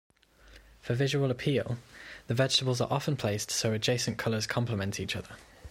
For visual appeal, the vegetables are often placed so adjacent colors complement each other.